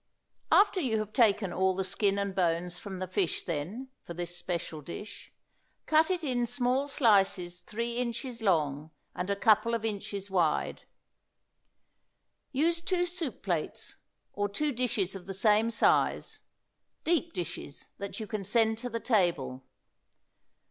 After you have taken all the skin and bones from the fish, then, for this special dish, cut it in small slices three inches long and a couple of inches wide. Use two soup plates, or two dishes of the same size, deep dishes that you can send to the table.